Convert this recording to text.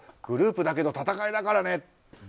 グループだけど戦いだからね。